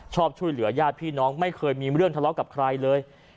ช่วยเหลือญาติพี่น้องไม่เคยมีเรื่องทะเลาะกับใครเลย